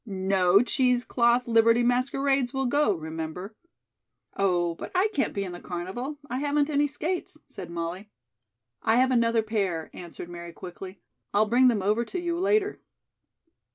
No cheesecloth Liberty masquerades will go, remember." "Oh, but I can't be in the carnival. I haven't any skates," said Molly. "I have another pair," answered Mary quickly. "I'll bring them over to you later."